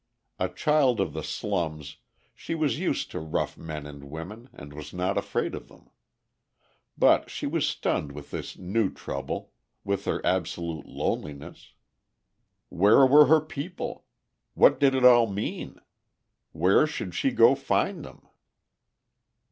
A child of the slums, she was used to rough men and women, and was not afraid of them. But she was stunned with this new trouble—with her absolute loneliness. Where were her people? What did it all mean? Where should she go to find them?